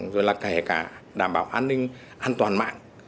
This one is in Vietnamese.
rồi là kể cả đảm bảo an ninh an toàn mạng